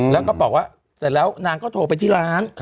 แล้วก็บอกว่าเสร็จแล้วนางก็โทรไปที่ร้าน